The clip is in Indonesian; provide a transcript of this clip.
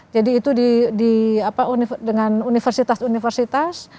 jadi itu di apa dengan universitas universitas